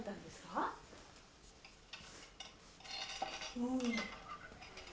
うん。